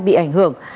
bị ảnh hưởng